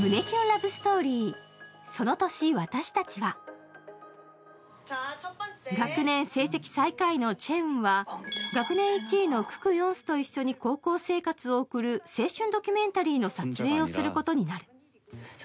キュンラブストーリー、「その年、私たちは」。学年成績最下位のチェ・ウンは学年１位のクク・ヨンスと一緒に高校生活を送る青春ドキュメンタリーの撮影をすることになる。